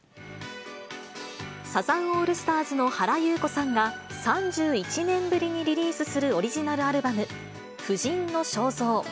サザンオールスターズの原由子さんが、３１年ぶりにリリースするオリジナルアルバム、婦人の肖像。